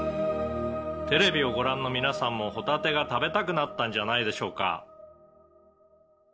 「テレビをご覧の皆さんもホタテが食べたくなったんじゃないでしょうか？」